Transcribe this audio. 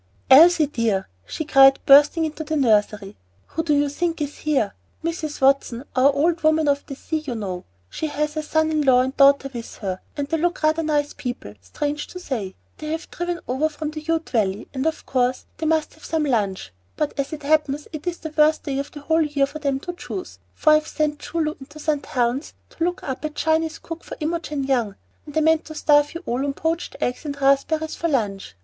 "Elsie dear," she cried, bursting into the nursery, "who do you think is here? Mrs. Watson, our old woman of the Sea, you know. She has her son in law and daughter with her, and they look like rather nice people, strange to say. They have driven over from the Ute Valley, and of course they must have some lunch; but as it happens it is the worst day of the whole year for them to choose, for I have sent Choo Loo into St. Helen's to look up a Chinese cook for Imogen Young, and I meant to starve you all on poached eggs and raspberries for lunch.